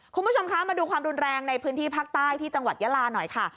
คุณผู้ชมคะมาดูความรุนแรงในพื้นที่ภาคใต้ที่จังหวัดยาลาหน่อยค่ะ